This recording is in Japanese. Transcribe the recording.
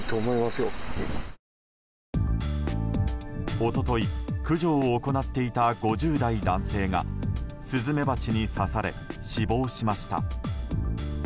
一昨日駆除を行っていた５０代男性がスズメバチに刺され死亡しました。